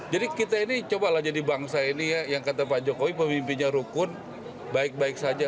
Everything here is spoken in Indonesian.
jadi kita ini cobalah jadi bangsa ini ya yang kata pak jokowi pemimpinnya rukun baik baik saja